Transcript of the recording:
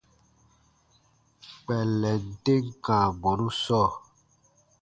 Kpɛllɛn tem kãa bɔnu sɔɔ.